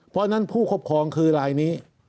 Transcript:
เพราะฉะนั้นผู้ครอบครองคือลายนี้